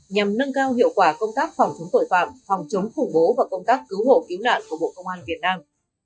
nhằm nâng cao hiệu quả công tác phòng chống tội phạm phòng chống khủng bố và công tác cứu hộ cứu nạn của bộ công an việt nam